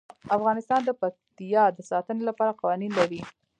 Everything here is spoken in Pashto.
افغانستان د پکتیا د ساتنې لپاره قوانین لري.